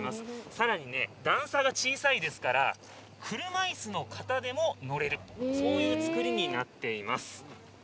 さらに段差が小さいですから車いすの方でも乗れるそういう作りになっています。